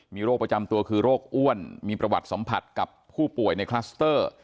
มีโรคประจำตัวคือโรคอ้วนมีประวัติสัมผัสกับผู้ป่วยในคลัสเตอร์